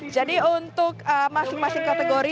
jadi untuk masing masing kategori